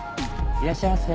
いらっしゃいませ。